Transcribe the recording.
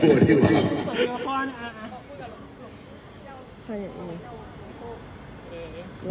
เออแค่นี้แหละหนูโทรหาหน่อย